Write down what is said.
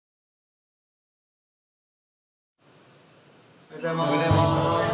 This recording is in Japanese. おはようございます。